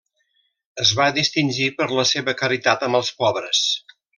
Es va distingir per la seva caritat amb els pobres.